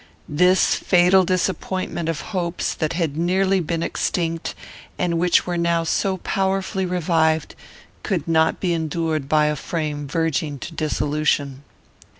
This fatal disappointment of hopes that had nearly been extinct, and which were now so powerfully revived, could not be endured by a frame verging to dissolution.